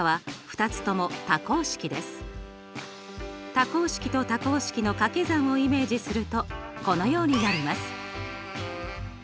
多項式と多項式の掛け算をイメージするとこのようになります！